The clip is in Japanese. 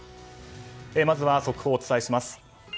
まずは、速報をお伝えします。